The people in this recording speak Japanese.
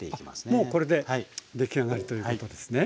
あっもうこれで出来上がりということですね。